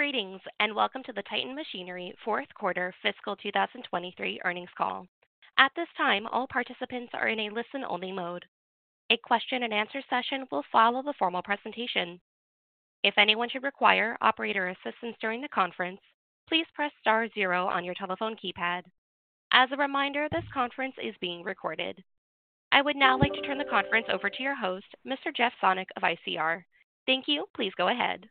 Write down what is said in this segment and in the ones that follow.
Greetings, welcome to the Titan Machinery fourth quarter fiscal 2023 earnings call. At this time, all participants are in a listen-only mode. A question-and-answer session will follow the formal presentation. If anyone should require operator assistance during the conference, please press star zero on your telephone keypad. As a reminder, this conference is being recorded. I would now like to turn the conference over to your host, Mr. Jeff Sonnek of ICR. Thank you. Please go ahead.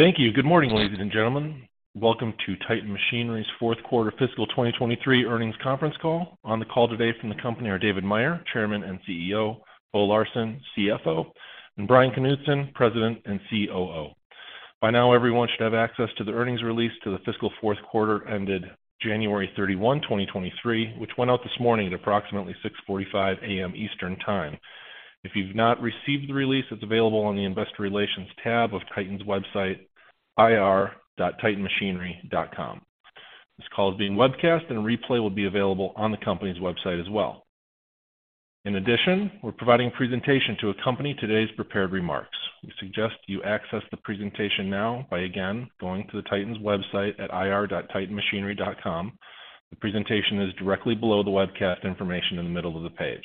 Thank you. Good morning, ladies and gentlemen. Welcome to Titan Machinery's fourth quarter fiscal 2023 earnings conference call. On the call today from the company are David Meyer, Chairman and CEO, Bo Larsen, CFO, and Bryan Knutson, President and COO. By now, everyone should have access to the earnings release to the fiscal fourth quarter ended January 31, 2023, which went out this morning at approximately 6:45 A.M. Eastern Time. If you've not received the release, it's available on the Investor Relations tab of Titan's website, ir.titanmachinery.com. This call is being webcast and a replay will be available on the company's website as well. We're providing a presentation to accompany today's prepared remarks. We suggest you access the presentation now by, again, going to the Titan's website at ir.titanmachinery.com. The presentation is directly below the webcast information in the middle of the page.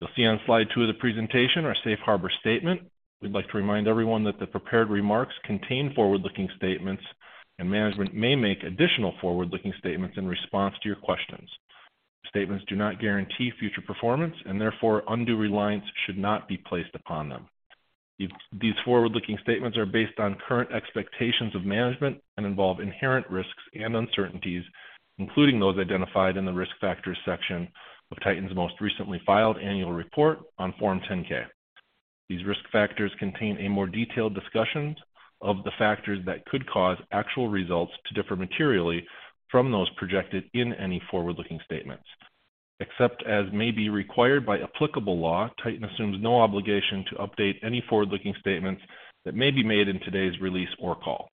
You'll see on slide 2 of the presentation our Safe Harbor statement. We'd like to remind everyone that the prepared remarks contain forward-looking statements and management may make additional forward-looking statements in response to your questions. Statements do not guarantee future performance, and therefore, undue reliance should not be placed upon them. These forward-looking statements are based on current expectations of management and involve inherent risks and uncertainties, including those identified in the Risk Factors section of Titan's most recently filed annual report on Form 10-K. These risk factors contain a more detailed discussions of the factors that could cause actual results to differ materially from those projected in any forward-looking statements. Except as may be required by applicable law, Titan assumes no obligation to update any forward-looking statements that may be made in today's release or call.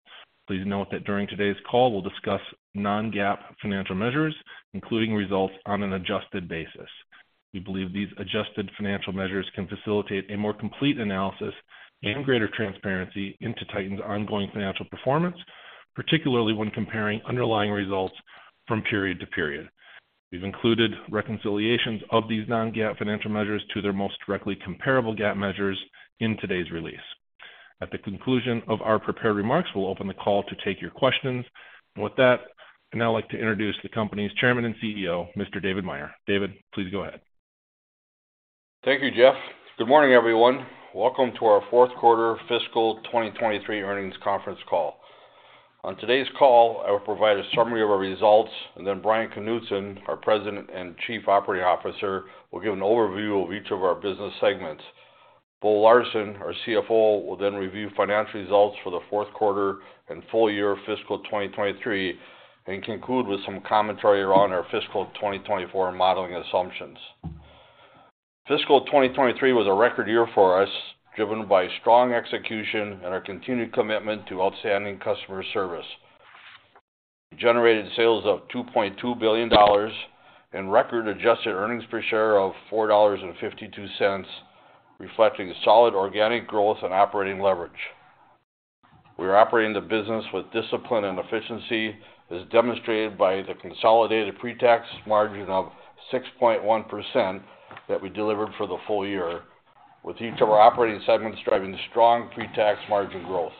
Please note that during today's call, we'll discuss non-GAAP financial measures, including results on an adjusted basis. We believe these adjusted financial measures can facilitate a more complete analysis and greater transparency into Titan's ongoing financial performance, particularly when comparing underlying results from period to period. We've included reconciliations of these non-GAAP financial measures to their most directly comparable GAAP measures in today's release. At the conclusion of our prepared remarks, we'll open the call to take your questions. With that, I'd now like to introduce the company's Chairman and CEO, Mr. David Meyer. David, please go ahead. Thank you, Jeff. Good morning, everyone. Welcome to our fourth quarter fiscal 2023 earnings conference call. On today's call, I will provide a summary of our results, and then Bryan Knutson, our President and Chief Operating Officer, will give an overview of each of our business segments. Bo Larsen, our CFO, will then review financial results for the fourth quarter and full year fiscal 2023 and conclude with some commentary around our fiscal 2024 modeling assumptions. Fiscal 2023 was a record year for us, driven by strong execution and our continued commitment to outstanding customer service. We generated sales of $2.2 billion and record adjusted earnings per share of $4.52, reflecting solid organic growth and operating leverage. We are operating the business with discipline and efficiency as demonstrated by the consolidated pre-tax margin of 6.1% that we delivered for the full year, with each of our operating segments driving strong pre-tax margin growth.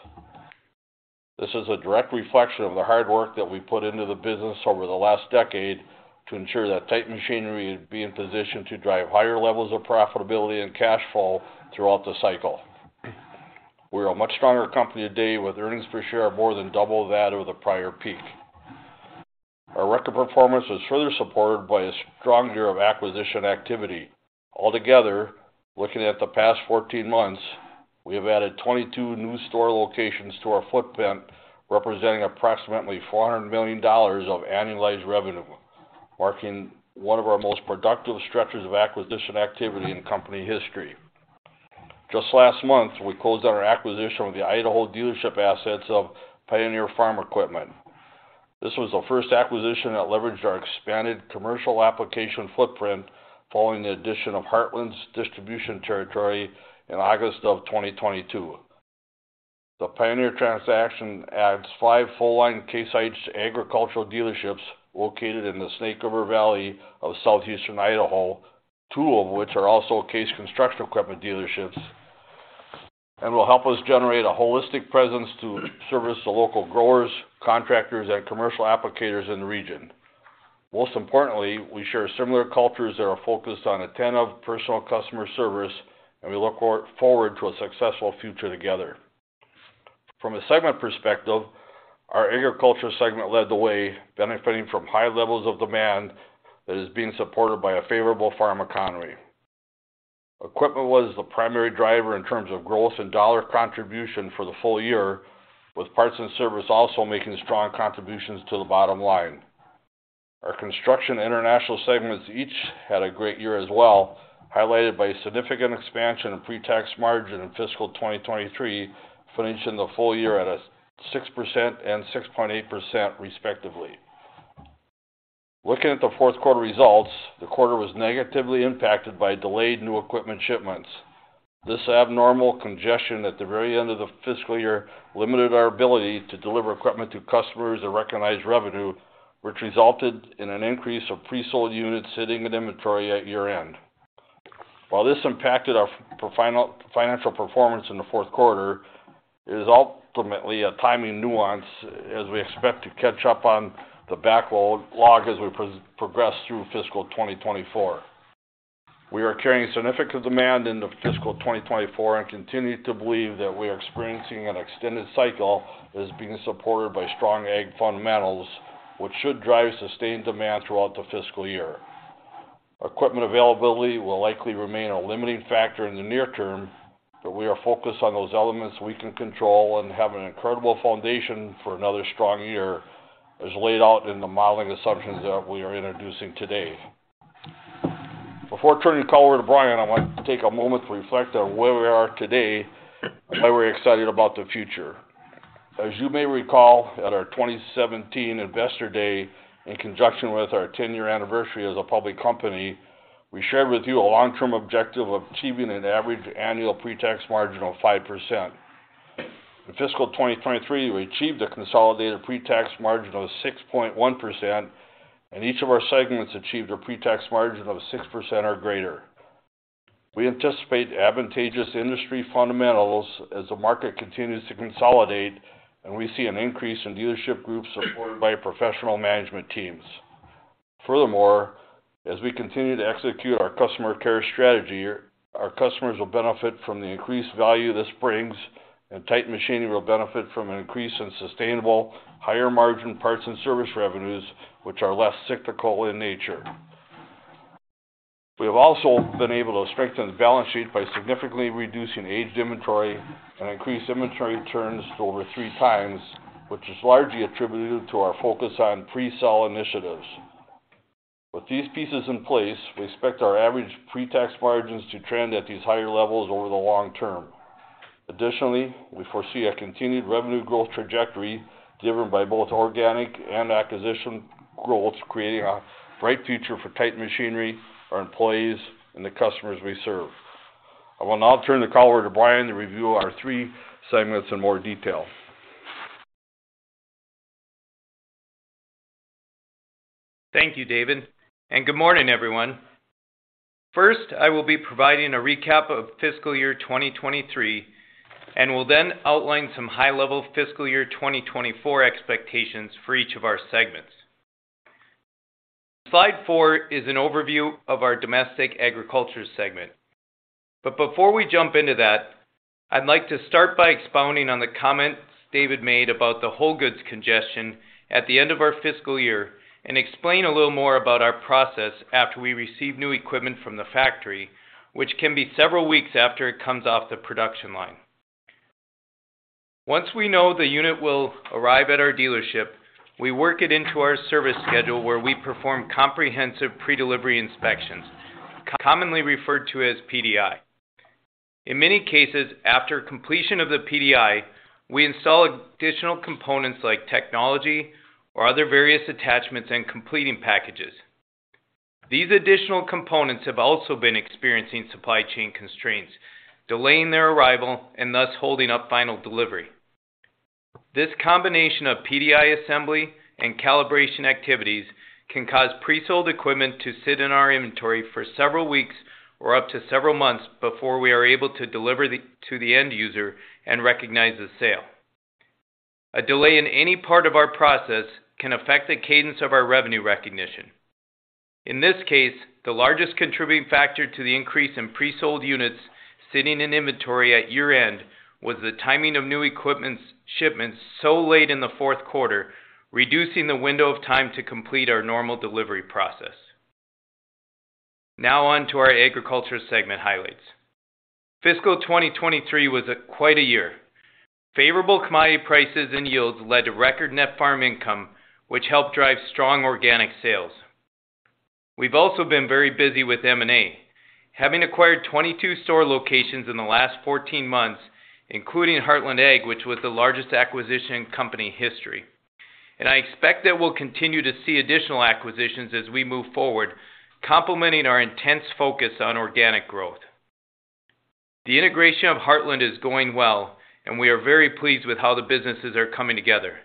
This is a direct reflection of the hard work that we put into the business over the last decade to ensure that Titan Machinery would be in position to drive higher levels of profitability and cash flow throughout the cycle. We're a much stronger company today with earnings per share more than double that of the prior peak. Our record performance was further supported by a strong year of acquisition activity. Altogether, looking at the past 14 months, we have added 22 new store locations to our footprint, representing approximately $400 million of annualized revenue, marking one of our most productive stretches of acquisition activity in company history. Just last month, we closed on our acquisition with the Idaho dealership assets of Pioneer Farm Equipment. This was the first acquisition that leveraged our expanded commercial application footprint following the addition of Heartland's distribution territory in August of 2022. The Pioneer transaction adds five full-line Case IH agricultural dealerships located in the Snake River valley of southeastern Idaho, two of which are also Case Construction Equipment dealerships, and will help us generate a holistic presence to service the local growers, contractors, and commercial applicators in the region. Most importantly, we share similar cultures that are focused on attentive personal customer service. We look forward to a successful future together. From a segment perspective, our agriculture segment led the way benefiting from high levels of demand that is being supported by a favorable farm economy. Equipment was the primary driver in terms of growth and dollar contribution for the full year, with parts and service also making strong contributions to the bottom line. Our construction international segments each had a great year as well, highlighted by significant expansion in pre-tax margin in fiscal 2023, finishing the full year at a 6% and 6.8%, respectively. Looking at the fourth quarter results, the quarter was negatively impacted by delayed new equipment shipments. This abnormal congestion at the very end of the fiscal year limited our ability to deliver equipment to customers and recognize revenue, which resulted in an increase of pre-sold units sitting in inventory at year-end. While this impacted our financial performance in the fourth quarter, it is ultimately a timing nuance as we expect to catch up on the backlog as we progress through fiscal 2024. We are carrying significant demand into fiscal 2024 and continue to believe that we are experiencing an extended cycle that is being supported by strong ag fundamentals, which should drive sustained demand throughout the fiscal year. Equipment availability will likely remain a limiting factor in the near term, we are focused on those elements we can control and have an incredible foundation for another strong year, as laid out in the modeling assumptions that we are introducing today. Before turning the call over to Bryan, I want to take a moment to reflect on where we are today and why we're excited about the future. As you may recall, at our 2017 Investor Day, in conjunction with our 10-year anniversary as a public company, we shared with you a long-term objective of achieving an average annual pre-tax margin of 5%. In fiscal 2023, we achieved a consolidated pre-tax margin of 6.1%. Each of our segments achieved a pre-tax margin of 6% or greater. We anticipate advantageous industry fundamentals as the market continues to consolidate. We see an increase in dealership groups supported by professional management teams. Furthermore, as we continue to execute our customer care strategy, our customers will benefit from the increased value this brings. Titan Machinery will benefit from an increase in sustainable higher-margin parts and service revenues, which are less cyclical in nature. We have also been able to strengthen the balance sheet by significantly reducing aged inventory and increase inventory turns to over 3x, which is largely attributed to our focus on pre-sell initiatives. With these pieces in place, we expect our average pre-tax margins to trend at these higher levels over the long term. Additionally, we foresee a continued revenue growth trajectory driven by both organic and acquisition growth, creating a bright future for Titan Machinery, our employees, and the customers we serve. I will now turn the call over to Bryan to review our three segments in more detail. Thank you, David. Good morning, everyone. First, I will be providing a recap of fiscal year 2023. I will then outline some high-level fiscal year 2024 expectations for each of our segments. Slide 4 is an overview of our Domestic Agriculture segment. Before we jump into that, I'd like to start by expounding on the comments David made about the whole goods congestion at the end of our fiscal year and explain a little more about our process after we receive new equipment from the factory, which can be several weeks after it comes off the production line. Once we know the unit will arrive at our dealership, we work it into our service schedule where we perform comprehensive predelivery inspections, commonly referred to as PDI. In many cases, after completion of the PDI, we install additional components like technology or other various attachments and completing packages. These additional components have also been experiencing supply chain constraints, delaying their arrival and thus holding up final delivery. This combination of PDI assembly and calibration activities can cause pre-sold equipment to sit in our inventory for several weeks or up to several months before we are able to deliver it to the end user and recognize the sale. A delay in any part of our process can affect the cadence of our revenue recognition. In this case, the largest contributing factor to the increase in pre-sold units sitting in inventory at year-end was the timing of new equipment's shipments so late in the fourth quarter, reducing the window of time to complete our normal delivery process. Now on to our Agriculture segment highlights. Fiscal 2023 was quite a year. Favorable commodity prices and yields led to record net farm income, which helped drive strong organic sales. We've also been very busy with M&A, having acquired 22 store locations in the last 14 months, including Heartland Ag, which was the largest acquisition in company history. I expect that we'll continue to see additional acquisitions as we move forward, complementing our intense focus on organic growth. The integration of Heartland is going well, and we are very pleased with how the businesses are coming together.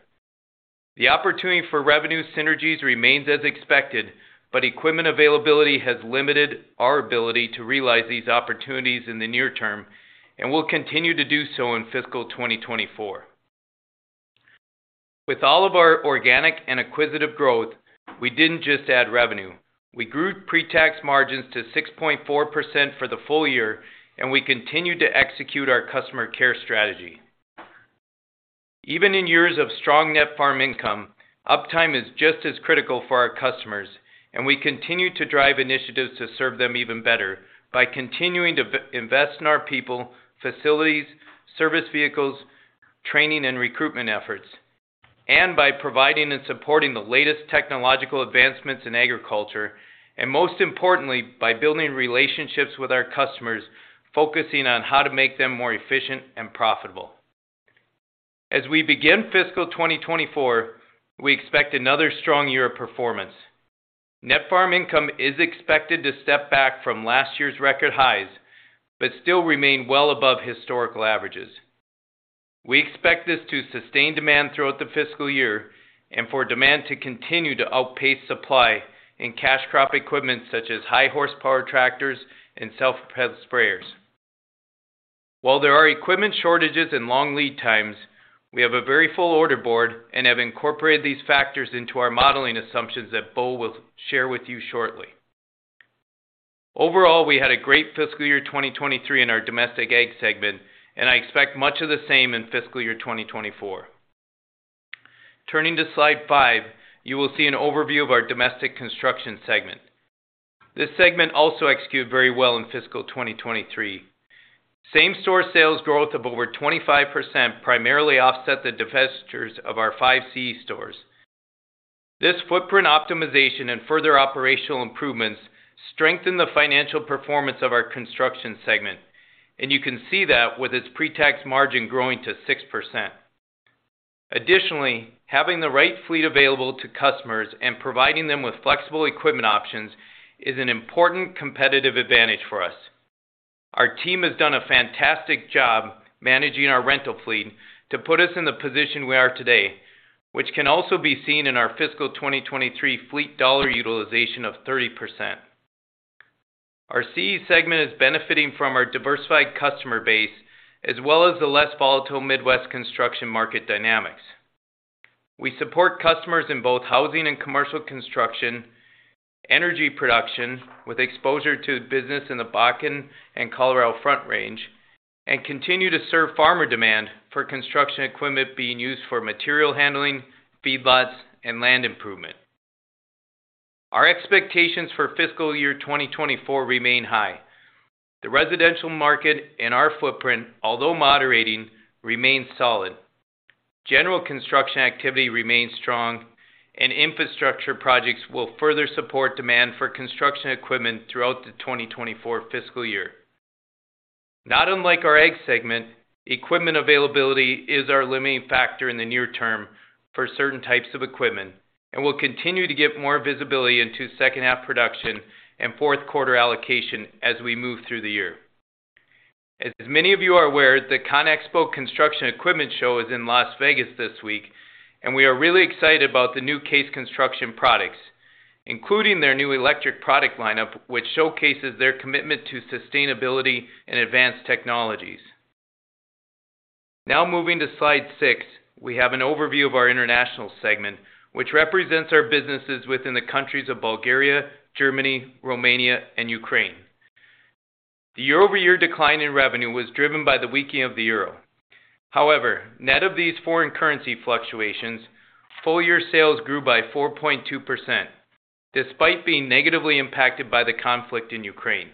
The opportunity for revenue synergies remains as expected, but equipment availability has limited our ability to realize these opportunities in the near term and will continue to do so in fiscal 2024. With all of our organic and acquisitive growth, we didn't just add revenue. We grew pre-tax margins to 6.4% for the full year, and we continued to execute our customer care strategy. Even in years of strong net farm income, uptime is just as critical for our customers, and we continue to drive initiatives to serve them even better by continuing to invest in our people, facilities, service vehicles, training and recruitment efforts, and by providing and supporting the latest technological advancements in agriculture, and most importantly, by building relationships with our customers, focusing on how to make them more efficient and profitable. As we begin fiscal 2024, we expect another strong year of performance. Net farm income is expected to step back from last year's record highs, but still remain well above historical averages. We expect this to sustain demand throughout the fiscal year and for demand to continue to outpace supply in cash crop equipment such as high horsepower tractors and self-propelled sprayers. While there are equipment shortages and long lead times, we have a very full order board and have incorporated these factors into our modeling assumptions that Bo will share with you shortly. We had a great fiscal year 2023 in our domestic ag segment, and I expect much of the same in fiscal year 2024. Turning to slide 5, you will see an overview of our domestic construction segment. This segment also executed very well in fiscal 2023. Same-store sales growth of over 25% primarily offset the divestitures of our five CE stores. This footprint optimization and further operational improvements strengthened the financial performance of our construction segment. You can see that with its pre-tax margin growing to 6%. Additionally, having the right fleet available to customers and providing them with flexible equipment options is an important competitive advantage for us. Our team has done a fantastic job managing our rental fleet to put us in the position we are today, which can also be seen in our fiscal 2023 fleet dollar utilization of 30%. Our CE segment is benefiting from our diversified customer base as well as the less volatile Midwest construction market dynamics. We support customers in both housing and commercial construction, energy production with exposure to business in the Bakken and Colorado Front Range, and continue to serve farmer demand for construction equipment being used for material handling, feedlots, and land improvement. Our expectations for fiscal year 2024 remain high. The residential market and our footprint, although moderating, remains solid. General construction activity remains strong. Infrastructure projects will further support demand for construction equipment throughout the 2024 fiscal year. Not unlike our ag segment, equipment availability is our limiting factor in the near term for certain types of equipment, and we'll continue to get more visibility into second half production and fourth quarter allocation as we move through the year. As many of you are aware, the CONEXPO Construction Equipment Show is in Las Vegas this week, and we are really excited about the new Case Construction products, including their new electric product lineup, which showcases their commitment to sustainability and advanced technologies. Moving to slide 6, we have an overview of our international segment, which represents our businesses within the countries of Bulgaria, Germany, Romania and Ukraine. The year-over-year decline in revenue was driven by the weakening of the euro. However, net of these foreign currency fluctuations, full year sales grew by 4.2%, despite being negatively impacted by the conflict in Ukraine.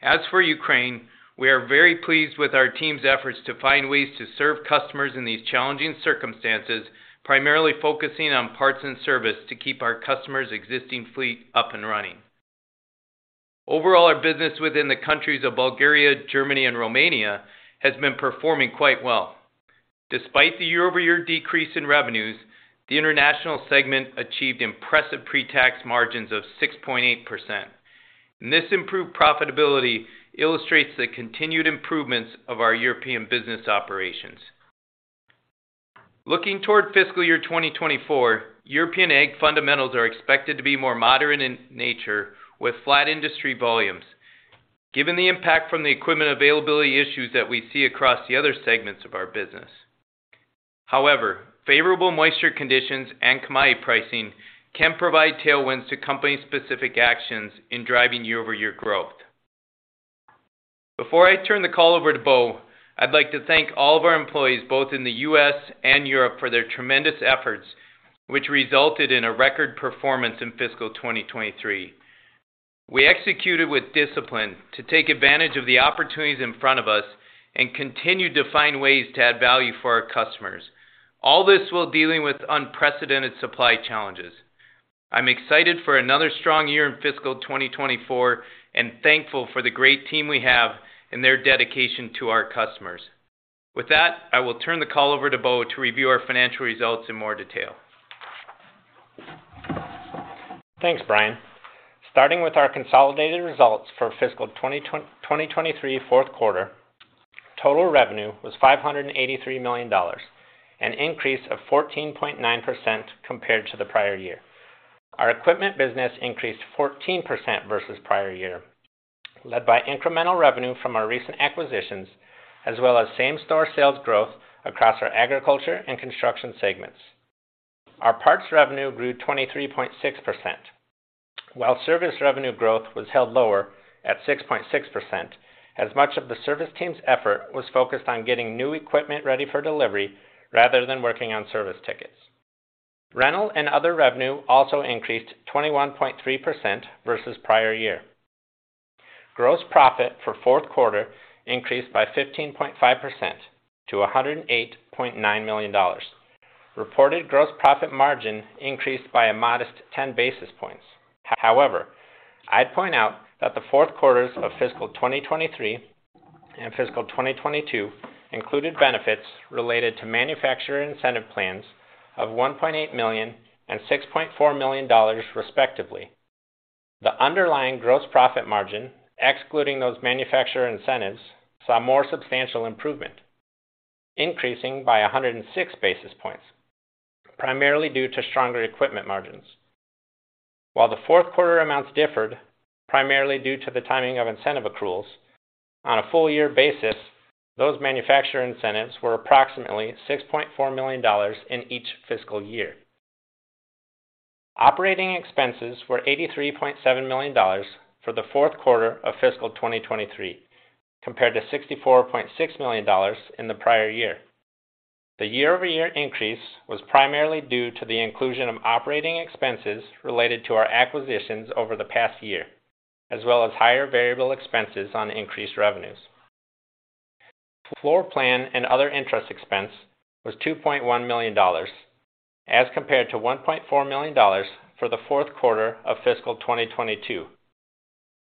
As for Ukraine, we are very pleased with our team's efforts to find ways to serve customers in these challenging circumstances, primarily focusing on parts and service to keep our customers' existing fleet up and running. Overall, our business within the countries of Bulgaria, Germany and Romania has been performing quite well. Despite the year-over-year decrease in revenues, the international segment achieved impressive pre-tax margins of 6.8%. This improved profitability illustrates the continued improvements of our European business operations. Looking toward fiscal year 2024, European ag fundamentals are expected to be more moderate in nature with flat industry volumes given the impact from the equipment availability issues that we see across the other segments of our business. However, favorable moisture conditions and commodity pricing can provide tailwinds to company-specific actions in driving year-over-year growth. Before I turn the call over to Bo, I'd like to thank all of our employees, both in the U.S. and Europe for their tremendous efforts, which resulted in a record performance in fiscal 2023. We executed with discipline to take advantage of the opportunities in front of us and continued to find ways to add value for our customers. All this while dealing with unprecedented supply challenges. I'm excited for another strong year in fiscal 2024 and thankful for the great team we have and their dedication to our customers. With that, I will turn the call over to Bo to review our financial results in more detail. Thanks, Bryan Knutson. Starting with our consolidated results for fiscal 2023 fourth quarter, total revenue was $583 million, an increase of 14.9% compared to the prior year. Our equipment business increased 14% versus prior year, led by incremental revenue from our recent acquisitions, as well as same-store sales growth across our agriculture and construction segments. Our parts revenue grew 23.6%, while service revenue growth was held lower at 6.6%, as much of the service team's effort was focused on getting new equipment ready for delivery rather than working on service tickets. Rental and other revenue also increased 21.3% versus prior year. Gross profit for fourth quarter increased by 15.5% to $108.9 million. Reported gross profit margin increased by a modest 10 basis points. I'd point out that the fourth quarters of fiscal 2023 and fiscal 2022 included benefits related to manufacturer incentive plans of $1.8 million and $6.4 million respectively. The underlying gross profit margin, excluding those manufacturer incentives, saw more substantial improvement, increasing by 106 basis points, primarily due to stronger equipment margins. While the fourth quarter amounts differed, primarily due to the timing of incentive accruals, on a full year basis, those manufacturer incentives were approximately $6.4 million in each fiscal year. Operating expenses were $83.7 million for the fourth quarter of fiscal 2023, compared to $64.6 million in the prior year. The year-over-year increase was primarily due to the inclusion of operating expenses related to our acquisitions over the past year, as well as higher variable expenses on increased revenues. Floorplan and other interest expense was $2.1 million as compared to $1.4 million for the fourth quarter of fiscal 2022.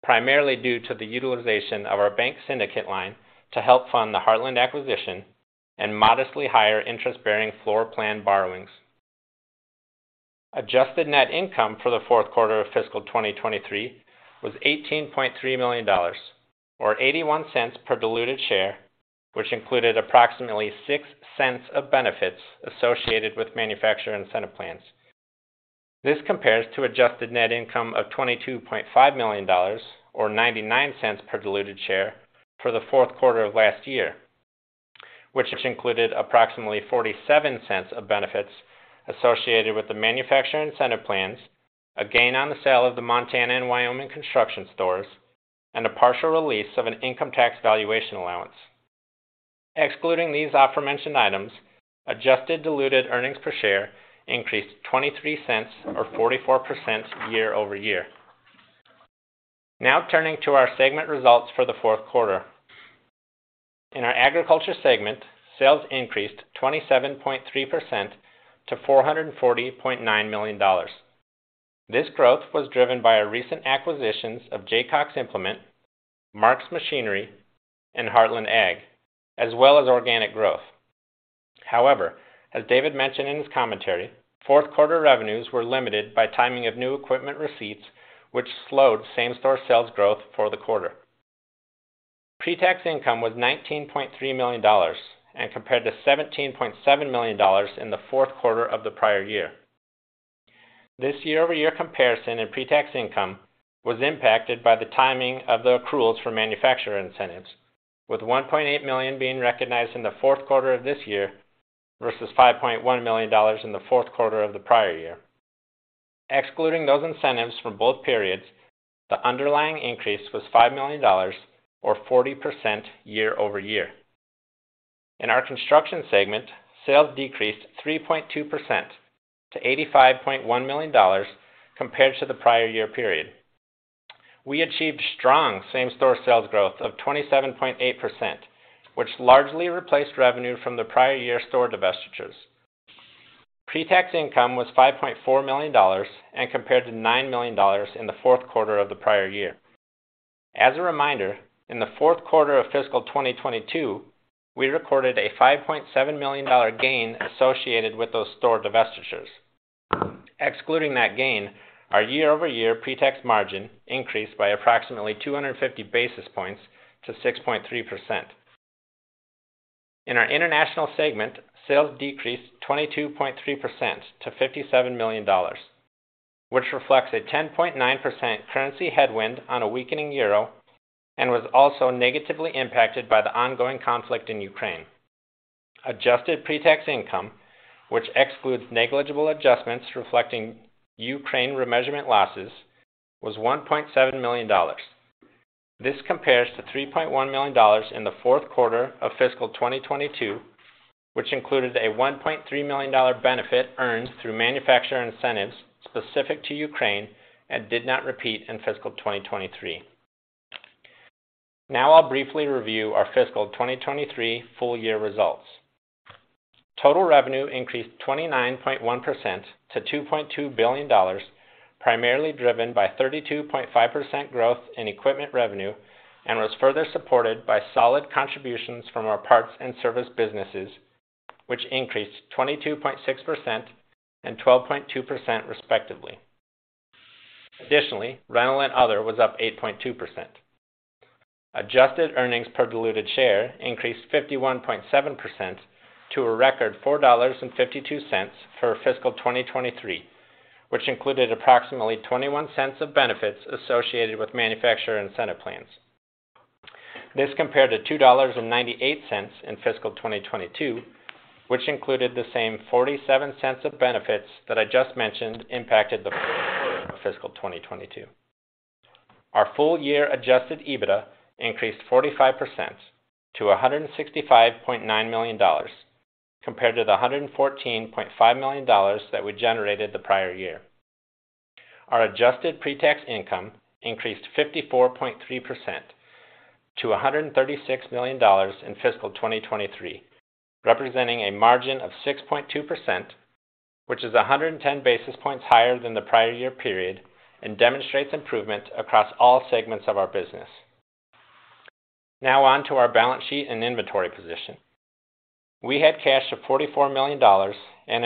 Primarily due to the utilization of our bank syndicate line to help fund the Heartland acquisition and modestly higher interest-bearing floorplan borrowings. Adjusted net income for the fourth quarter of fiscal 2023 was $18.3 million or $0.81 per diluted share, which included approximately $0.06 of benefits associated with manufacturer incentive plans. This compares to adjusted net income of $22.5 million or $0.99 per diluted share for the fourth quarter of last year, which included approximately $0.47 of benefits associated with the manufacturer incentive plans, a gain on the sale of the Montana and Wyoming construction stores, and a partial release of an income tax valuation allowance. Excluding these aforementioned items, adjusted diluted earnings per share increased $0.23 or 44% year-over-year. Turning to our segment results for the fourth quarter. In our agriculture segment, sales increased 27.3% to $440.9 million. This growth was driven by our recent acquisitions of Jaycox Implement, Mark's Machinery, and Heartland Ag, as well as organic growth. As David mentioned in his commentary, fourth quarter revenues were limited by timing of new equipment receipts, which slowed same-store sales growth for the quarter. Pre-tax income was $19.3 million and compared to $17.7 million in the fourth quarter of the prior year. This year-over-year comparison in pre-tax income was impacted by the timing of the accruals for manufacturer incentives, with $1.8 million being recognized in the fourth quarter of this year versus $5.1 million in the fourth quarter of the prior year. Excluding those incentives from both periods, the underlying increase was $5 million or 40% year-over-year. In our construction segment, sales decreased 3.2% to $85.1 million compared to the prior year period. We achieved strong same-store sales growth of 27.8%, which largely replaced revenue from the prior year store divestitures. Pre-tax income was $5.4 million and compared to $9 million in the fourth quarter of the prior year. As a reminder, in the fourth quarter of fiscal 2022, we recorded a $5.7 million gain associated with those store divestitures. Excluding that gain, our year-over-year pre-tax margin increased by approximately 250 basis points to 6.3%. In our international segment, sales decreased 22.3% to $57 million, which reflects a 10.9% currency headwind on a weakening euro and was also negatively impacted by the ongoing conflict in Ukraine. Adjusted pre-tax income, which excludes negligible adjustments reflecting Ukraine remeasurement losses, was $1.7 million. This compares to $3.1 million in the fourth quarter of fiscal 2022, which included a $1.3 million benefit earned through manufacturer incentives specific to Ukraine and did not repeat in fiscal 2023. Now I'll briefly review our fiscal 2023 full year results. Total revenue increased 29.1% to $2.2 billion, primarily driven by 32.5% growth in equipment revenue and was further supported by solid contributions from our parts and service businesses, which increased 22.6% and 12.2% respectively. Additionally, rental and other was up 8.2%. Adjusted earnings per diluted share increased 51.7% to a record $4.52 for fiscal 2023, which included approximately $0.21 of benefits associated with manufacturer incentive plans. This compared to $2.98 in fiscal 2022, which included the same $0.47 of benefits that I just mentioned impacted the fiscal 2022. Our full year adjusted EBITDA increased 45% to $165.9 million compared to the $114.5 million that we generated the prior year. Our adjusted pre-tax income increased 54.3% to $136 million in fiscal 2023, representing a margin of 6.2%, which is 110 basis points higher than the prior year period and demonstrates improvement across all segments of our business. Now on to our balance sheet and inventory position. We had cash of $44 million and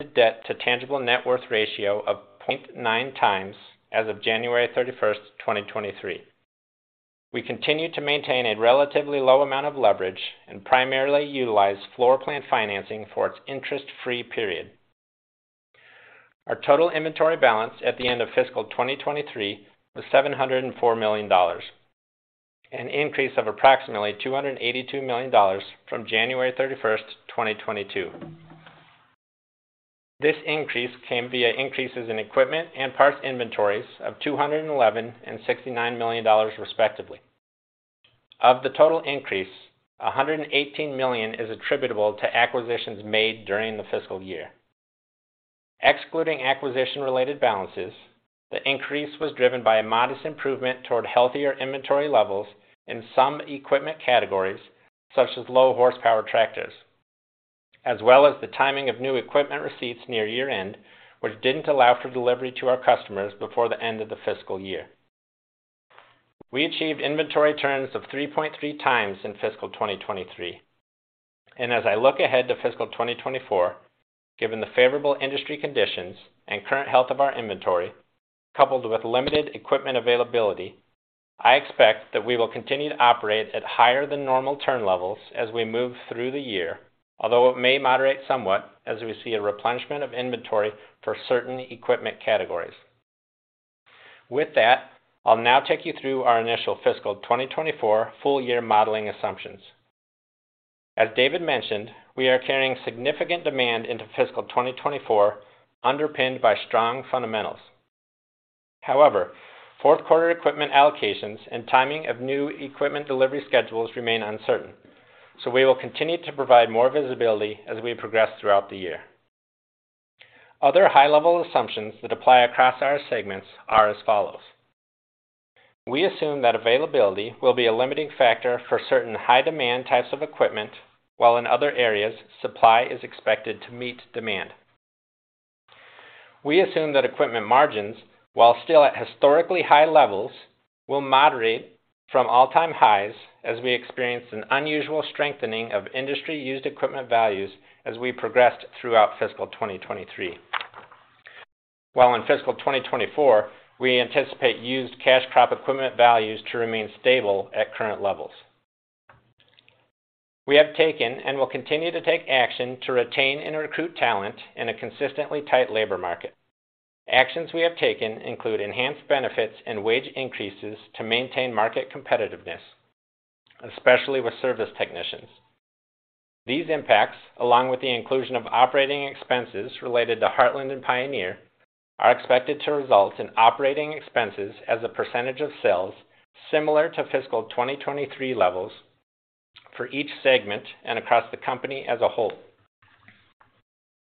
a debt-to-tangible net worth ratio of 0.9x as of January 31st, 2023. We continue to maintain a relatively low amount of leverage and primarily utilize floor plan financing for its interest free period. Our total inventory balance at the end of fiscal 2023 was $704 million, an increase of approximately $282 million from January 31st, 2022. This increase came via increases in equipment and parts inventories of $211 million and $69 million, respectively. Of the total increase, $118 million is attributable to acquisitions made during the fiscal year. Excluding acquisition-related balances, the increase was driven by a modest improvement toward healthier inventory levels in some equipment categories such as low horsepower tractors, as well as the timing of new equipment receipts near year-end, which didn't allow for delivery to our customers before the end of the fiscal year. We achieved inventory turns of 3.3x in fiscal 2023. As I look ahead to fiscal 2024, given the favorable industry conditions and current health of our inventory, coupled with limited equipment availability, I expect that we will continue to operate at higher than normal turn levels as we move through the year. Although it may moderate somewhat as we see a replenishment of inventory for certain equipment categories. With that, I'll now take you through our initial fiscal 2024 full year modeling assumptions. As David mentioned, we are carrying significant demand into fiscal 2024, underpinned by strong fundamentals. Fourth-quarter equipment allocations and timing of new equipment delivery schedules remain uncertain, we will continue to provide more visibility as we progress throughout the year. Other high-level assumptions that apply across our segments are as follows. We assume that availability will be a limiting factor for certain high-demand types of equipment, while in other areas, supply is expected to meet demand. We assume that equipment margins, while still at historically high levels, will moderate from all-time highs as we experience an unusual strengthening of industry-used equipment values as we progress throughout fiscal 2023. While in fiscal 2024, we anticipate used cash crop equipment values to remain stable at current levels. We have taken and will continue to take action to retain and recruit talent in a consistently tight labor market. Actions we have taken include enhanced benefits and wage increases to maintain market competitiveness, especially with service technicians. These impacts, along with the inclusion of operating expenses related to Heartland and Pioneer, are expected to result in operating expenses as a % of sales similar to fiscal 2023 levels for each segment and across the company as a whole.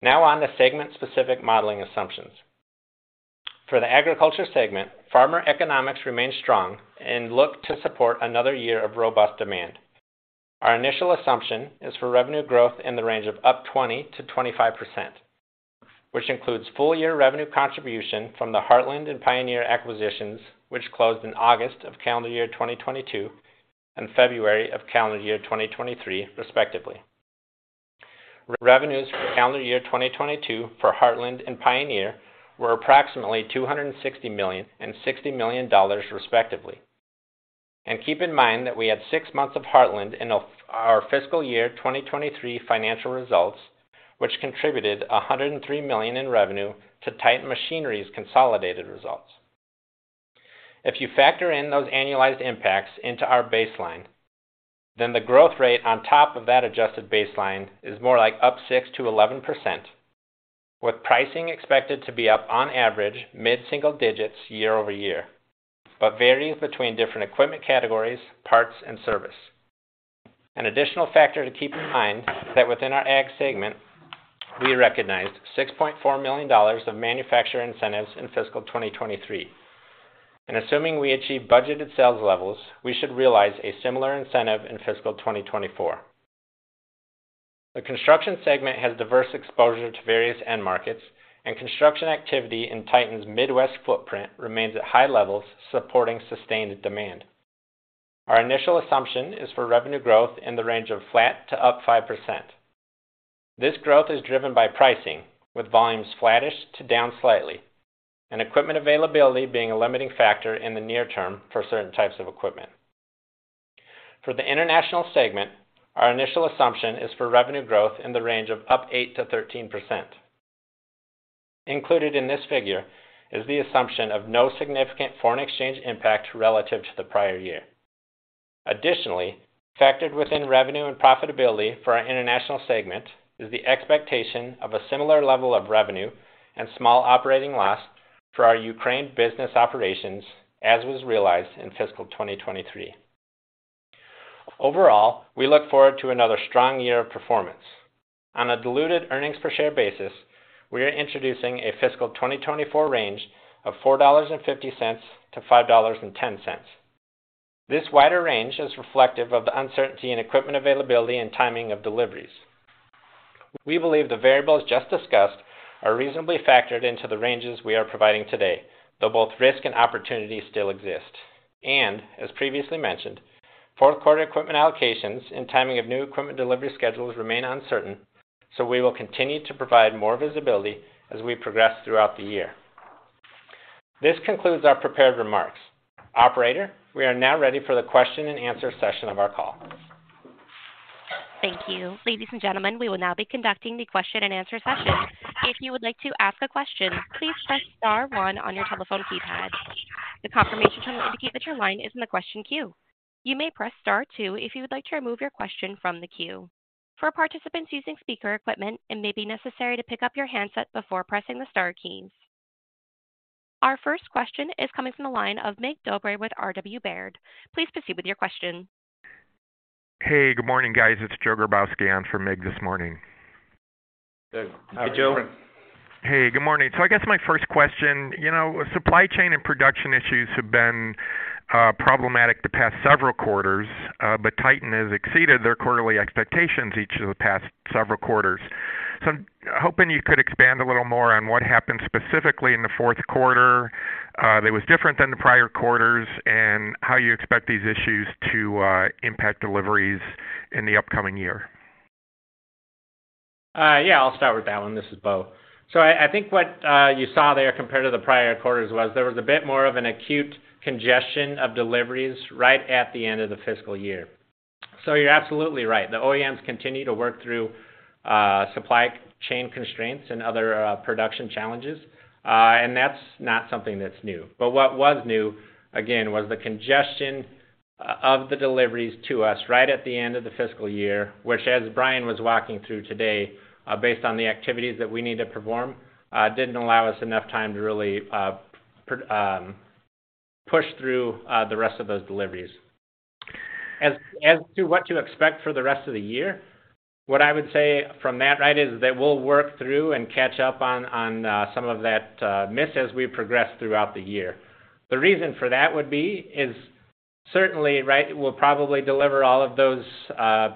On to segment-specific modeling assumptions. For the agriculture segment, farmer economics remains strong and look to support another year of robust demand. Our initial assumption is for revenue growth in the range of up 20%-25%, which includes full year revenue contribution from the Heartland and Pioneer acquisitions, which closed in August of calendar year 2022 and February of calendar year 2023, respectively. Revenues for calendar year 2022 for Heartland and Pioneer were approximately $260 million and $60 million, respectively. Keep in mind that we had six months of Heartland in our fiscal year 2023 financial results, which contributed $103 million in revenue to Titan Machinery's consolidated results. If you factor in those annualized impacts into our baseline, then the growth rate on top of that adjusted baseline is more like up 6%-11%, with pricing expected to be up on average mid-single digits year-over-year, but varies between different equipment categories, parts and service. An additional factor to keep in mind that within our ag segment, we recognized $6.4 million of manufacturer incentives in fiscal 2023. Assuming we achieve budgeted sales levels, we should realize a similar incentive in fiscal 2024. The construction segment has diverse exposure to various end markets and construction activity in Titan's Midwest footprint remains at high levels supporting sustained demand. Our initial assumption is for revenue growth in the range of flat to up 5%. This growth is driven by pricing with volumes flattish to down slightly and equipment availability being a limiting factor in the near term for certain types of equipment. For the international segment, our initial assumption is for revenue growth in the range of up 8%-13%. Included in this figure is the assumption of no significant foreign exchange impact relative to the prior year. Additionally, factored within revenue and profitability for our international segment is the expectation of a similar level of revenue and small operating loss for our Ukraine business operations as was realized in fiscal 2023. Overall, we look forward to another strong year of performance. On a diluted earnings per share basis, we are introducing a fiscal 2024 range of $4.50-$5.10. This wider range is reflective of the uncertainty in equipment availability and timing of deliveries. We believe the variables just discussed are reasonably factored into the ranges we are providing today, though both risk and opportunity still exist. As previously mentioned, fourth quarter equipment allocations and timing of new equipment delivery schedules remain uncertain, so we will continue to provide more visibility as we progress throughout the year. This concludes our prepared remarks. Operator, we are now ready for the question and answer session of our call. Thank you. Ladies and gentlemen, we will now be conducting the question and answer session. If you would like to ask a question, please press star one on your telephone keypad. The confirmation tone will indicate that your line is in the question queue. You may press star two if you would like to remove your question from the queue. For participants using speaker equipment, it may be necessary to pick up your handset before pressing the star keys. Our first question is coming from the line of Mircea Dobre with RW Baird. Please proceed with your question. Hey, good morning, guys. It's Joe Grabowski on for Mircea this morning. Hey, Joe. Hey, good morning. I guess my first question, you know, supply chain and production issues have been problematic the past several quarters, but Titan has exceeded their quarterly expectations each of the past several quarters. I'm hoping you could expand a little more on what happened specifically in the fourth quarter that was different than the prior quarters and how you expect these issues to impact deliveries in the upcoming year. Yeah, I'll start with that one. This is Bo. I think what you saw there compared to the prior quarters was there was a bit more of an acute congestion of deliveries right at the end of the fiscal year. You're absolutely right. The OEMs continue to work through supply chain constraints and other production challenges. And that's not something that's new. What was new, again, was the congestion of the deliveries to us right at the end of the fiscal year, which as Bryan was walking through today, based on the activities that we need to perform, didn't allow us enough time to really push through the rest of those deliveries. As to what to expect for the rest of the year, what I would say from that, right, is that we'll work through and catch up on some of that miss as we progress throughout the year. The reason for that would be is certainly, right, we'll probably deliver all of those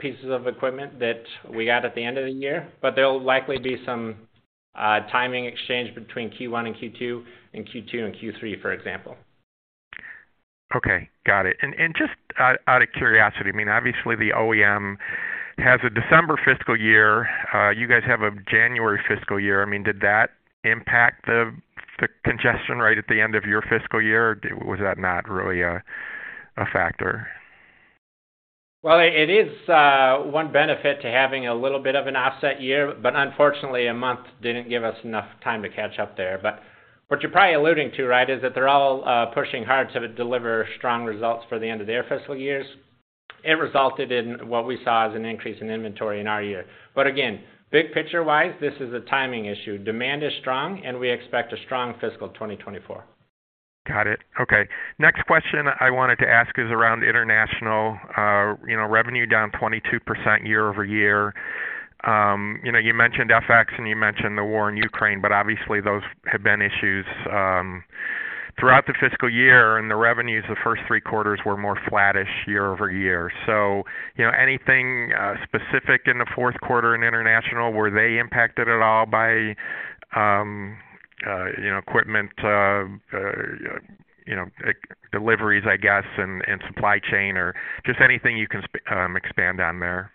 pieces of equipment that we got at the end of the year, but there'll likely be some timing exchange between Q1 and Q2 and Q2 and Q3, for example. Okay. Got it. Just out of curiosity, I mean, obviously the OEM has a December fiscal year. You guys have a January fiscal year. I mean, did that impact the congestion rate at the end of your fiscal year? Or was that not really a factor? It is one benefit to having a little bit of an offset year, but unfortunately, a month didn't give us enough time to catch up there. What you're probably alluding to, right, is that they're all pushing hard to deliver strong results for the end of their fiscal years. It resulted in what we saw as an increase in inventory in our year. Again, big picture-wise, this is a timing issue. Demand is strong, and we expect a strong fiscal 2024. Got it. Okay. Next question I wanted to ask is around international. you know, revenue down 22% year-over-year. you know, you mentioned FX and you mentioned the war in Ukraine, but obviously, those have been issues throughout the fiscal year, and the revenues the first three quarters were more flattish year-over-year. You know, anything specific in the fourth quarter in international? Were they impacted at all by, you know, equipment, you know, deliveries, I guess, and supply chain or just anything you can expand on there?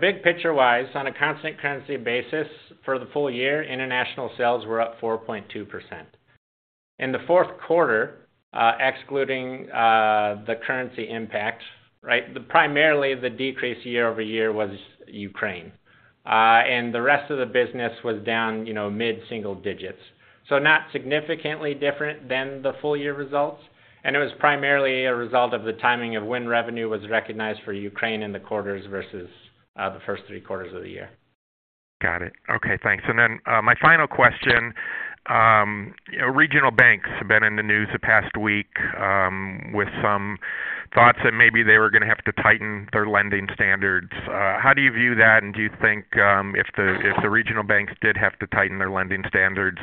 Big picture-wise, on a constant currency basis for the full year, international sales were up 4.2%. In the fourth quarter, excluding the currency impact, right, primarily the decrease year-over-year was Ukraine. The rest of the business was down, you know, mid-single digits. Not significantly different than the full year results, and it was primarily a result of the timing of when revenue was recognized for Ukraine in the quarters versus the first three quarters of the year. Got it. Okay, thanks. My final question, regional banks have been in the news the past week, with some thoughts that maybe they were gonna have to tighten their lending standards. How do you view that? Do you think, if the, if the regional banks did have to tighten their lending standards,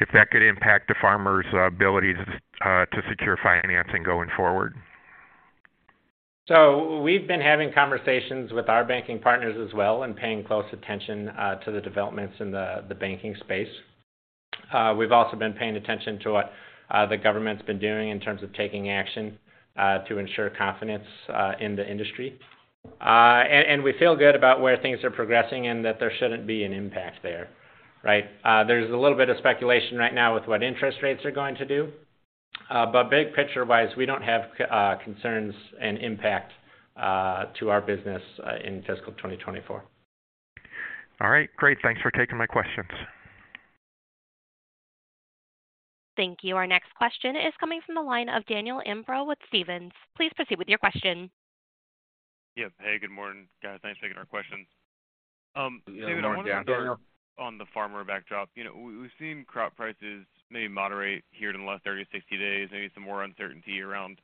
if that could impact the farmer's ability, to secure financing going forward? We've been having conversations with our banking partners as well and paying close attention to the developments in the banking space. We've also been paying attention to what the government's been doing in terms of taking action to ensure confidence in the industry. We feel good about where things are progressing and that there shouldn't be an impact there, right? There's a little bit of speculation right now with what interest rates are going to do. Big picture-wise, we don't have concerns and impact to our business in fiscal 2024. All right. Great. Thanks for taking my questions. Thank you. Our next question is coming from the line of Daniel Imbro with Stephens. Please proceed with your question. Yep. Hey, good morning, guys. Thanks for taking our questions. David, I wanna start on the farmer backdrop. You know, we've seen crop prices maybe moderate here in the last 30 to 60 days, maybe some more uncertainty around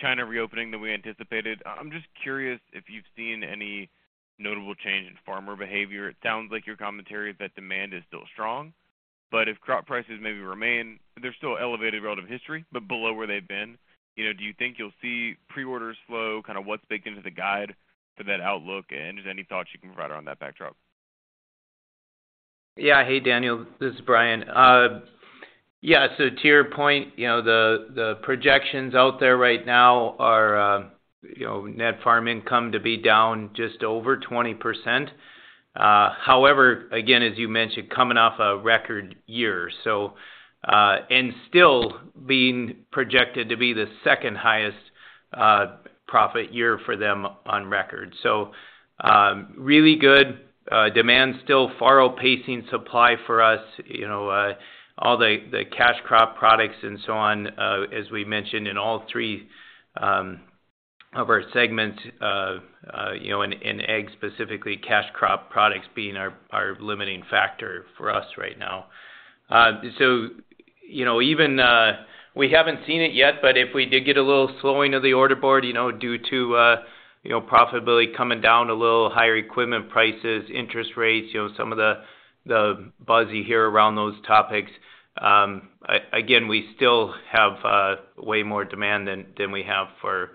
China reopening than we anticipated. I'm just curious if you've seen any notable change in farmer behavior. It sounds like your commentary that demand is still strong, but if crop prices maybe remain, they're still elevated relative history but below where they've been. You know, do you think you'll see pre-orders slow? Kinda what's baked into the guide for that outlook? Just any thoughts you can provide around that backdrop. Yeah. Hey, Daniel. This is Bryan. To your point, you know, the projections out there right now are, you know, net farm income to be down just over 20%. However, again, as you mentioned, coming off a record year, and still being projected to be the second highest profit year for them on record. Really good demand still far outpacing supply for us. You know, all the cash crop products and so on, as we mentioned in all three of our segments, you know, and eggs, specifically cash crop products being our limiting factor for us right now. You know, even, we haven't seen it yet, but if we did get a little slowing of the order board, you know, due to, you know, profitability coming down a little, higher equipment prices, interest rates, you know, some of the buzzy here around those topics. Again, we still have way more demand than we have for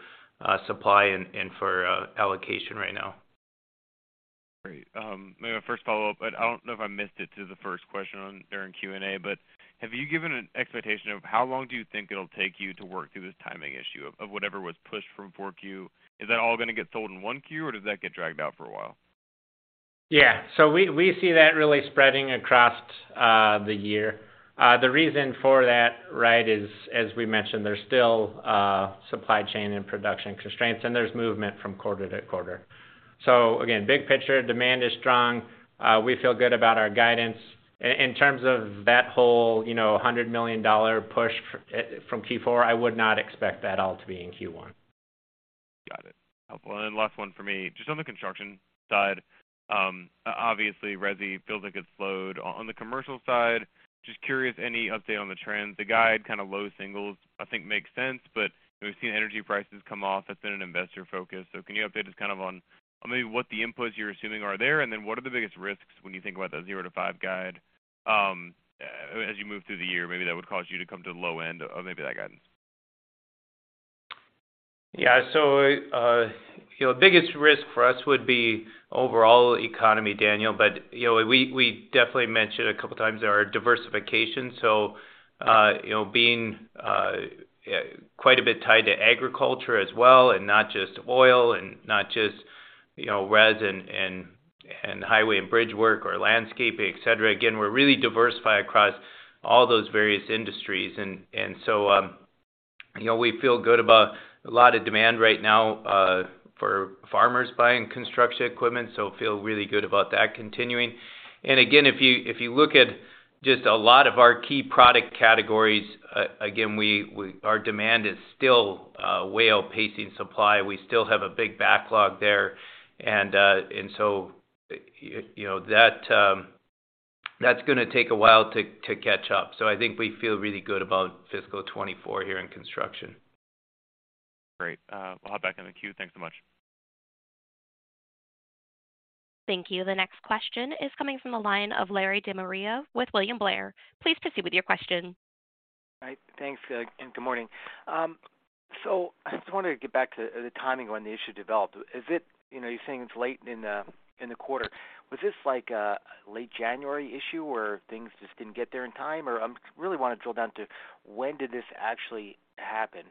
supply and for allocation right now. Great. My first follow-up, and I don't know if I missed it to the first question during Q&A, but have you given an expectation of how long do you think it'll take you to work through this timing issue of whatever was pushed from 4Q? Is that all gonna get sold in one Q, or does that get dragged out for a while? We see that really spreading across the year. The reason for that, right, is, as we mentioned, there's still supply chain and production constraints, and there's movement from quarter to quarter. Again, big picture, demand is strong. We feel good about our guidance. In terms of that whole, you know, $100 million push from Q4, I would not expect that all to be in Q1. Got it. Helpful. Last one for me. Just on the construction side, obviously, resi feels like it's slowed. On the commercial side, just curious, any update on the trends? The guide, kind of low singles, I think makes sense. We've seen energy prices come off. That's been an investor focus. Can you update us kind of on maybe what the inputs you're assuming are there? What are the biggest risks when you think about that zero to five guide as you move through the year? Maybe that would cause you to come to the low end of maybe that guidance. Yeah. You know, biggest risk for us would be overall economy, Daniel. You know, we definitely mentioned a couple of times our diversification. You know, being quite a bit tied to agriculture as well, and not just oil and not just, you know, res and highway and bridge work or landscaping, et cetera. Again, we're really diversified across all those various industries. You know, we feel good about a lot of demand right now for farmers buying construction equipment, so feel really good about that continuing. Again, if you look at just a lot of our key product categories, again, our demand is still way outpacing supply. We still have a big backlog there. You know, that that's gonna take a while to catch up. I think we feel really good about fiscal 2024 here in construction. Great. We'll hop back in the queue. Thanks so much. Thank you. The next question is coming from the line of Larry DeMaria with William Blair. Please proceed with your question. Thanks, good morning. I just wanted to get back to the timing when the issue developed. Is it, you know, you're saying it's late in the, in the quarter? Was this like a late January issue where things just didn't get there in time? Really wanna drill down to when did this actually happen?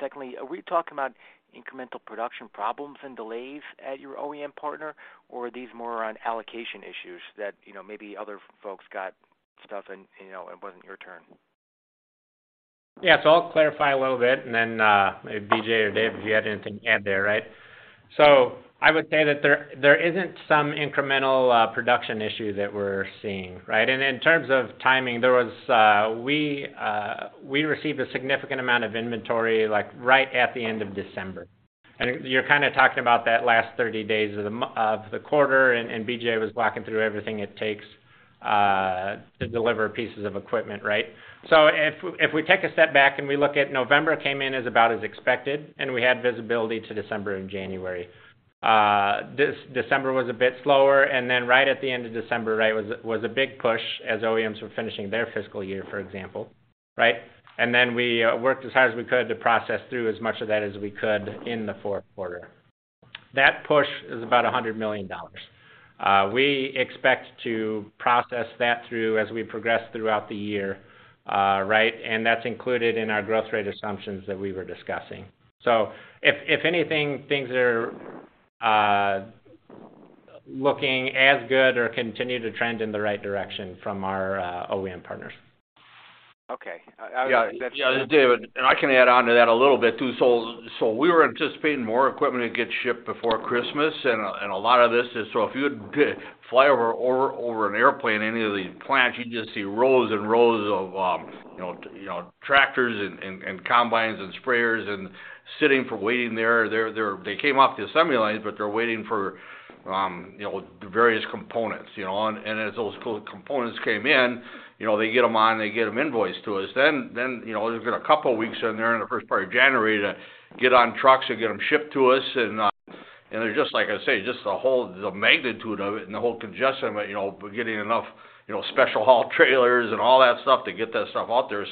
Secondly, are we talking about incremental production problems and delays at your OEM partner, or are these more around allocation issues that, you know, maybe other folks got stuff and, you know, it wasn't your turn? Yeah. I'll clarify a little bit, and then maybe BJ or David, if you had anything to add there, right? I would say that there isn't some incremental production issue that we're seeing, right? In terms of timing, there was, we received a significant amount of inventory, like, right at the end of December. You're kinda talking about that last 30 days of the quarter, and BJ was walking through everything it takes to deliver pieces of equipment, right? If we take a step back and we look at November came in as about as expected, and we had visibility to December and January. This December was a bit slower, right at the end of December, was a big push as OEMs were finishing their fiscal year, for example, right? We worked as hard as we could to process through as much of that as we could in the fourth quarter. That push is about $100 million. We expect to process that through as we progress throughout the year, right? That's included in our growth rate assumptions that we were discussing. If, if anything, things are looking as good or continue to trend in the right direction from our OEM partners. Okay. Yeah. Yeah. This is David. I can add on to that a little bit too. We were anticipating more equipment to get shipped before Christmas. A lot of this is so if you fly over an airplane, any of these plants, you just see rows and rows of, you know, tractors and combines and sprayers and sitting for waiting there. They came off the assembly lines, but they're waiting for, you know, the various components, you know. As those components came in, you know, they get them on, they get them invoiced to us. There's been a couple of weeks in there in the first part of January to get on trucks and get them shipped to us. They're just like I say, just the whole, the magnitude of it and the whole congestion but, you know, getting enough, you know, special haul trailers and all that stuff to get that stuff out there.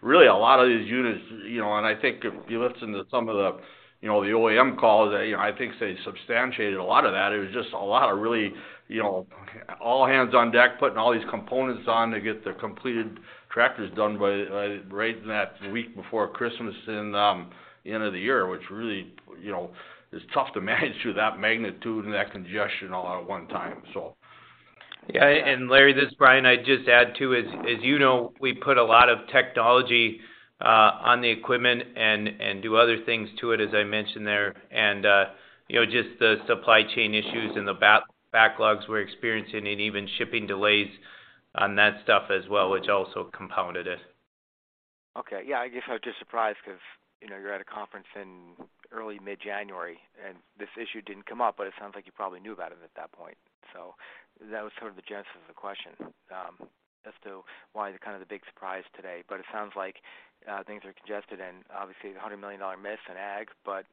Really a lot of these units, you know, and I think if you listen to some of the, you know, the OEM calls, I think they substantiated a lot of that. It was just a lot of really, you know, all hands on deck, putting all these components on to get the completed tractors done by right in that week before Christmas and the end of the year, which really, you know, is tough to manage through that magnitude and that congestion all at one time. Yeah. Larry, this is Bryan Knutson. I'd just add, too, as you know, we put a lot of technology on the equipment and do other things to it, as I mentioned there. You know, just the supply chain issues and the backlogs we're experiencing and even shipping delays on that stuff as well, which also compounded it. Okay. Yeah, I guess I was just surprised 'cause, you know, you're at a conference in early mid-January, and this issue didn't come up, but it sounds like you probably knew about it at that point. That was sort of the genesis of the question, as to why the kind of the big surprise today. It sounds like things are congested and obviously a $100 million miss in ag, but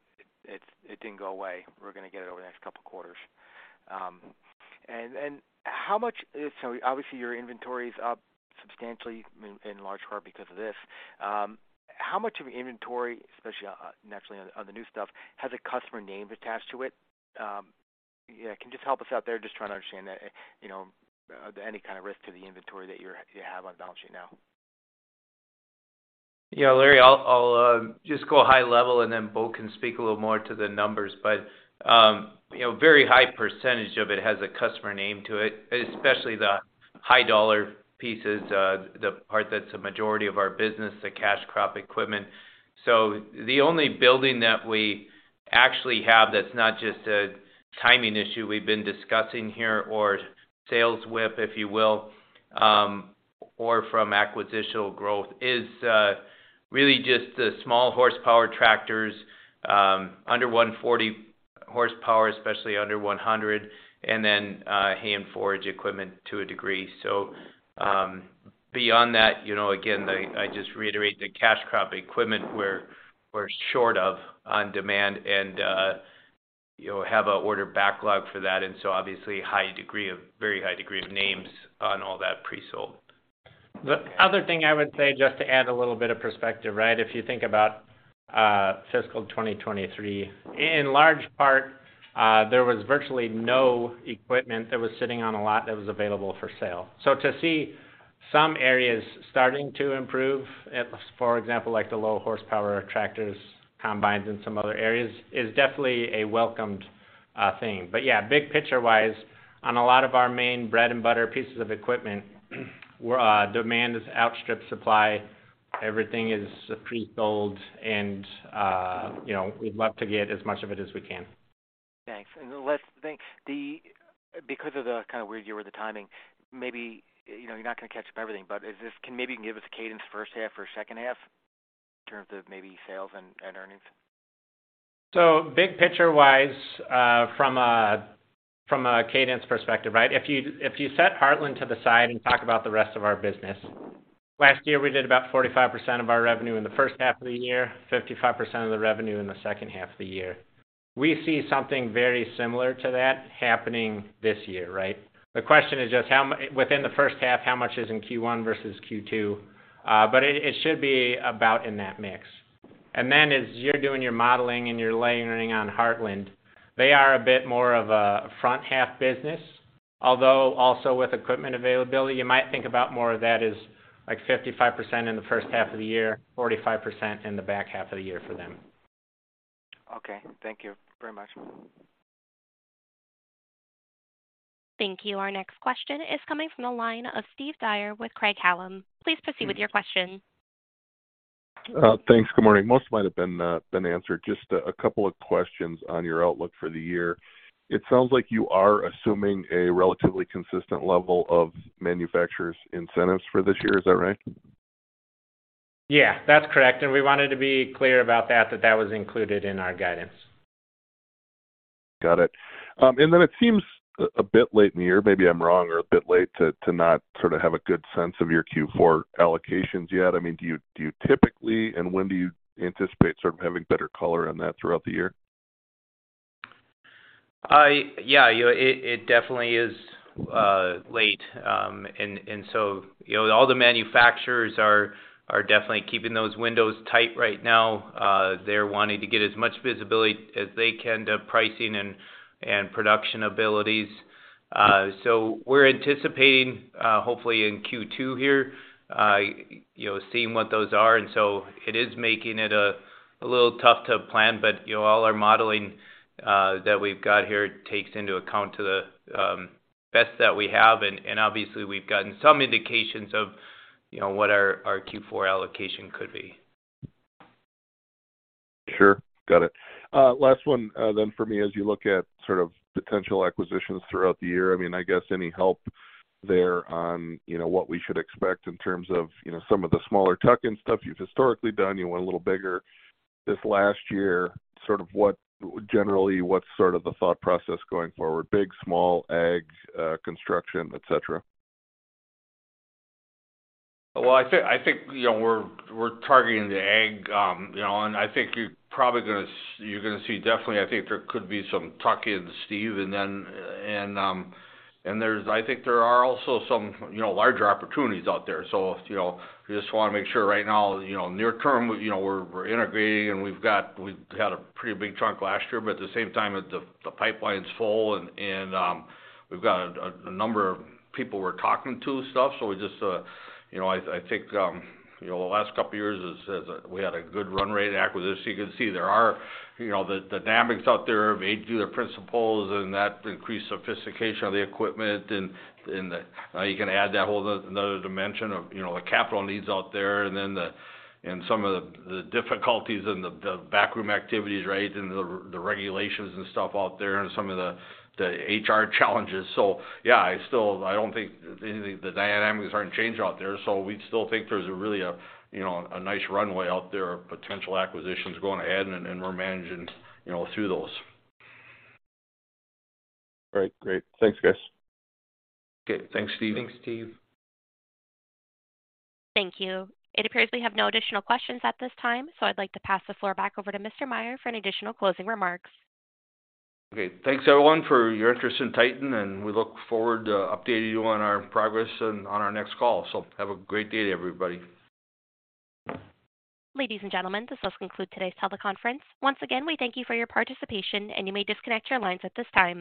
it didn't go away. We're gonna get it over the next couple of quarters. And how much is... Obviously, your inventory is up substantially in large part because of this. How much of your inventory, especially, naturally on the new stuff, has a customer name attached to it? Can you just help us out there? Just trying to understand, you know, any kind of risk to the inventory that you have on the balance sheet now. Larry, I'll just go high level and then Bo can speak a little more to the numbers. you know, very high percentage of it has a customer name to it, especially the high dollar pieces, the part that's a majority of our business, the cash crop equipment. The only building that we actually have that's not just a timing issue we've been discussing here or sales whip, if you will, or from acquisitional growth is really just the small horsepower tractors, under 140 horsepower, especially under 100, and then, hay and forage equipment to a degree. Beyond that, you know, again, I just reiterate the cash crop equipment we're short of on demand and, you know, have an order backlog for that. Obviously very high degree of names on all that pre-sold. The other thing I would say, just to add a little bit of perspective, right? If you think about fiscal 2023, in large part, there was virtually no equipment that was sitting on a lot that was available for sale. To see some areas starting to improve, for example, like the low horsepower tractors, combines in some other areas is definitely a welcomed thing. Yeah, big picture-wise, on a lot of our main bread-and-butter pieces of equipment, demand has outstripped supply. Everything is pre-sold and, you know, we'd love to get as much of it as we can. Thanks. Let's think. Because of the kind of weird year with the timing, maybe, you know, you're not gonna catch up everything, but can maybe you can give us a cadence first half or second half in terms of maybe sales and earnings? Big picture-wise, from a cadence perspective, right? If you set Heartland to the side and talk about the rest of our business, last year, we did about 45% of our revenue in the first half of the year, 55% of the revenue in the second half of the year. We see something very similar to that happening this year, right? The question is just how within the first half, how much is in Q1 versus Q2? It should be about in that mix. As you're doing your modeling and you're layering on Heartland, they are a bit more of a front half business. Although also with equipment availability, you might think about more of that as like 55% in the first half of the year, 45% in the back half of the year for them. Okay. Thank you very much. Thank you. Our next question is coming from the line of Steve Dyer with Craig-Hallum. Please proceed with your question. Thanks. Good morning. Most might have been answered. Just a couple of questions on your outlook for the year. It sounds like you are assuming a relatively consistent level of manufacturers' incentives for this year. Is that right? Yeah, that's correct. We wanted to be clear about that that was included in our guidance. Got it. It seems a bit late in the year, maybe I'm wrong or a bit late to not sort of have a good sense of your Q4 allocations yet. I mean, do you typically, and when do you anticipate sort of having better color on that throughout the year? Yeah, you know, it definitely is late. You know, all the manufacturers are definitely keeping those windows tight right now. They're wanting to get as much visibility as they can to pricing and production abilities. We're anticipating, hopefully in Q2 here, you know, seeing what those are. It is making it a little tough to plan. You know, all our modeling that we've got here takes into account to the best that we have. Obviously, we've gotten some indications of, you know, what our Q4 allocation could be. Sure. Got it. Last one then for me. As you look at sort of potential acquisitions throughout the year, I mean, I guess any help there on, you know, what we should expect in terms of, you know, some of the smaller tuck-in stuff you've historically done. You went a little bigger this last year. Sort of Generally, what's sort of the thought process going forward? Big, small, ag, construction, et cetera. I think, you know, we're targeting the ag, you know, I think you're probably gonna you're gonna see definitely I think there could be some tuck-ins, Steve. Then, I think there are also some, you know, larger opportunities out there. You know, we just wanna make sure right now, you know, near term, we're integrating and we've had a pretty big chunk last year, but at the same time, the pipeline's full and we've got a number of people we're talking to stuff. We just, you know, I think, you know, the last couple of years is we had a good run rate acquisition. You can see there are, you know, the dynamics out there of ag, the principals and that increased sophistication of the equipment and the. You can add another dimension of, you know, the capital needs out there and some of the difficulties and the backroom activities, right? The, the regulations and stuff out there and some of the HR challenges. Yeah, I don't think anything the dynamics aren't changed out there. We still think there's a really a, you know, a nice runway out there of potential acquisitions going ahead and we're managing, you know, through those. Right. Great. Thanks, guys. Okay. Thanks, Steve. Thanks, Steve. Thank you. It appears we have no additional questions at this time, so I'd like to pass the floor back over to Mr. Meyer for any additional closing remarks. Okay. Thanks, everyone, for your interest in Titan. We look forward to updating you on our progress and on our next call. Have a great day, everybody. Ladies and gentlemen, this does conclude today's teleconference. Once again, we thank you for your participation, and you may disconnect your lines at this time.